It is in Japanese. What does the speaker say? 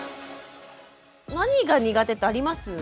何が苦手ってあります？